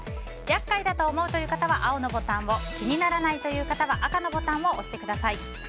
厄介だと思うという方は青のボタンを気にならないという方は赤のボタンを押してください。